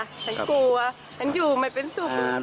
ฉันกลัวฉันอยู่ไม่เป็นสุข